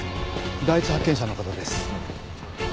第一発見者の方です。